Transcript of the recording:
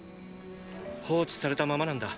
放置されたままなんだ。